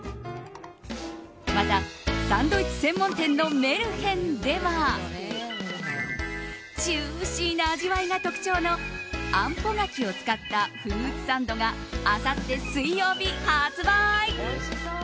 また、サンドイッチ専門店のメルヘンではジューシーな味わいが特徴のあんぽ柿を使ったフルーツサンドがあさって水曜日、発売。